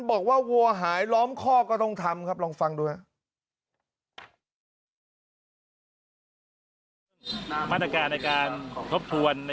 บอกว่าวัวหายล้อมคอกก็ต้องทำครับลองฟังดูนะ